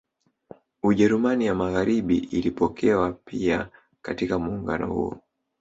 Ujerumani ya Magaharibi ilipokewa pia katika muungano huo